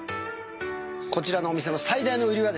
こちらのお店の最大の売りはですね